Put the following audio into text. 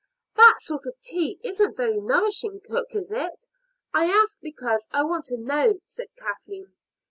"That sort of tea isn't very nourishing, cook, is it? I ask because I want to know," said Kathleen.